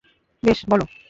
বেশ, বলো।